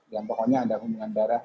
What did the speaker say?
yang pokoknya ada hubungan darah